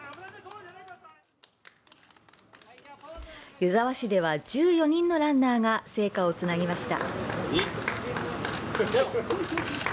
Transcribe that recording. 湯沢市では１４人のランナーが聖火をつなぎました。